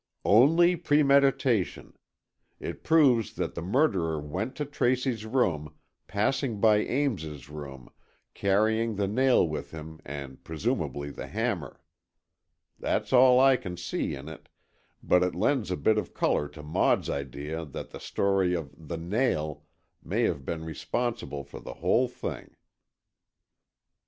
"Only premeditation. It proves that the murderer went to Tracy's room, passing by Ames's room, carrying the nail with him, and presumably the hammer. That's all I can see in it, but it lends a bit of colour to Maud's idea that the story of The Nail may have been responsible for the whole thing."